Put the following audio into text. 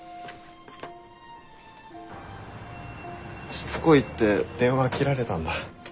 しつこいって電話切られたんだ。